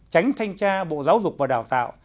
tránh thanh tra bộ giáo dục và đào tạo